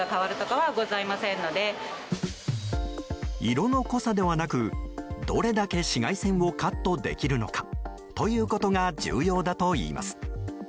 色の濃さではなくどれだけ紫外線をカットできるのかということが重要だといいます。